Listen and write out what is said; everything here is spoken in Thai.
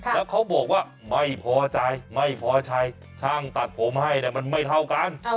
แล้วเขาบอกว่าไม่พอใจไม่พอใจช่างตัดผมให้มันไม่เท่ากัน